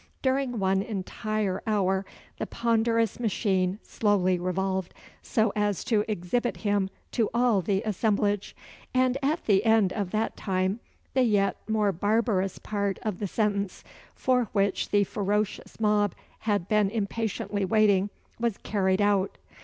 During one entire hour the ponderous machine slowly revolved, so as to exhibit him to all the assemblage; and at the end of that time the yet more barbarous part of the sentence, for which the ferocious mob had been impatiently waiting, was carried out.